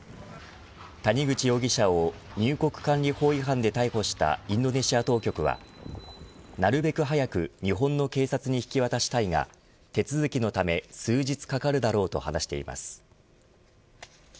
谷口容疑者を入国管理法違反で逮捕したインドネシア当局はなるべく早く日本の警察に引き渡したいが手続きのため数日かかるだろうと話しています。